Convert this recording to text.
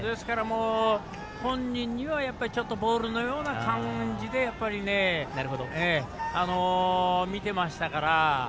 本人にはちょっとボールのような感じで見てましたから。